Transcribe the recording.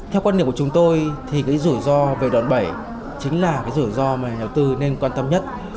theo quan điểm của chúng tôi thì cái rủi ro về đòn bẩy chính là cái rủi ro mà nhà đầu tư nên quan tâm nhất